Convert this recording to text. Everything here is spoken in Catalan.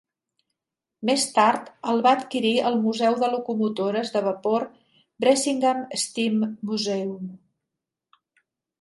Més tard, el va adquirir el museu de locomotores de vapor Bressingham Steam Museum.